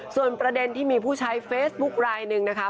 ส่วนประเด็นที่มีผู้ใช้เฟซบุ๊คลายหนึ่งนะคะ